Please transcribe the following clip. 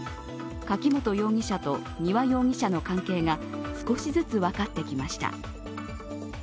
柿本容疑者と丹羽容疑者の関係が少しずつ分かってきました。